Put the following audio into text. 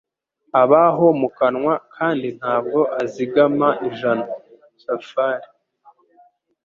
Abaho mu kanwa kandi ntabwo azigama ijana. (Safari)